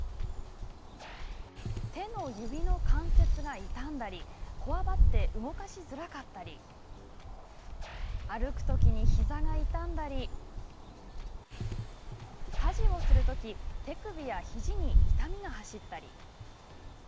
手の指の関節が痛んだりこわばって動かしづらかったり歩くときに膝が痛んだり家事をするとき手首や肘に痛みが走ったり。